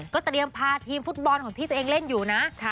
เตรียมพาทีมฟุตบอลของที่ตัวเองเล่นอยู่นะ